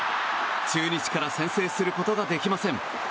中日から先制することができません。